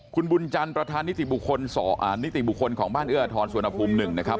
คุณบุญจันทร์ประธานนิติบุคคลของบ้านเอื้อทรสวนภูมิ๑นะครับ